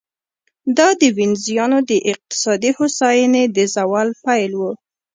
دا د وینزیانو د اقتصادي هوساینې د زوال پیل و